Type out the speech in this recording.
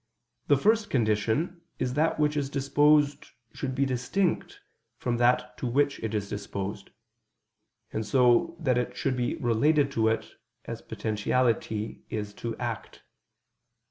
The first condition is that which is disposed should be distinct from that to which it is disposed; and so, that it should be related to it as potentiality is to act.